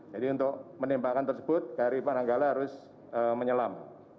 jadi untuk penembakan tersebut kri nanggala harus menyelam